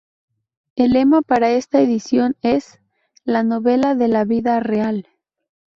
El lema para esta edición es "La Novela de la Vida Real".